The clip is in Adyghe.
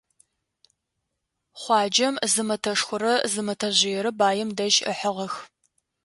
Хъуаджэм зы мэтэшхорэ зы мэтэжъыерэ баим дэжь ыхьыгъэх.